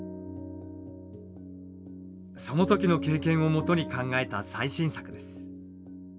その時の経験をもとに考えた最新作です。